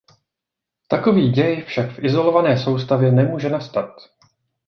Takový děj však v izolované soustavě nemůže nastat.